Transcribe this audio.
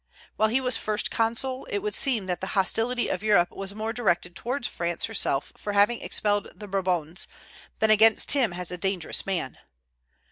While he was First Consul, it would seem that the hostility of Europe was more directed towards France herself for having expelled the Bourbons, than against him as a dangerous man.